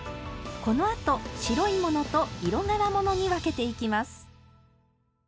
このあと白い物と色柄物に分けていきます。